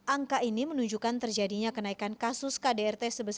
angka ini menunjukkan terjadinya kenaikan kasus kdrt sebesar